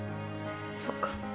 そっか。